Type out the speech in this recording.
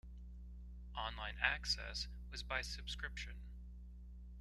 Online access was by subscription.